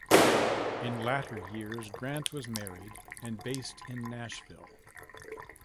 In latter years Gant was married and based in Nashville.